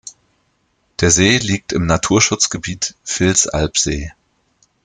Der See liegt im Naturschutzgebiet Vilsalpsee.